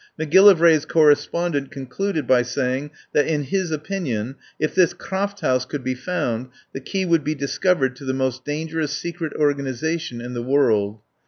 Macgillivray's correspondent concluded by saying that, in his opinion, if this Krafthaus could be found, the key would be discovered to the most dangerous secret organisation in the world.